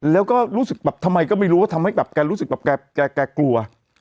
แล้วก็รู้สึกแบบทำไมก็ไม่รู้ว่าทำให้แบบแกรู้สึกแบบแกกลัว